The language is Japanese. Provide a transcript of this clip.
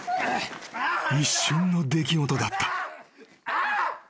［一瞬の出来事だった］